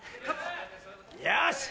よし！